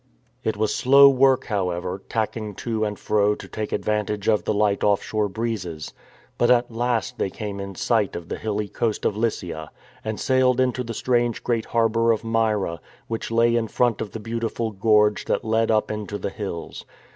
It was slow work, however, tacking to and fro to take advantage of the light off shore breezes. But at last they came in sight of the hilly coast of Lycia, and sailed into the strange great harbour of Myra, which lay in front of the beautiful gorge that led up into the hills.